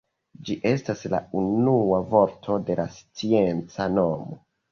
Ĝi estas la unua vorto de la scienca nomo.